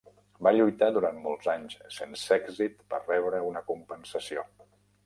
Va lluitar durant molt anys sense èxit per rebre una compensació.